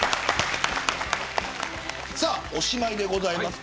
おしまいでございます。